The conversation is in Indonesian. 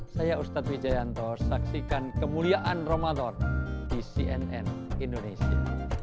saya ustadz wijayanto saksikan kemuliaan ramadan di cnn indonesia